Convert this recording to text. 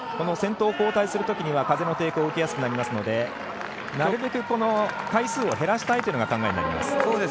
先頭を交代するときには風の抵抗を受けやすくなりますのでなるべく回数を減らしたいという考えになります。